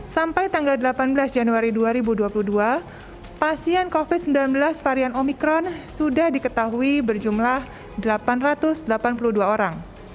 sampai tanggal delapan belas januari dua ribu dua puluh dua pasien covid sembilan belas varian omikron sudah diketahui berjumlah delapan ratus delapan puluh dua orang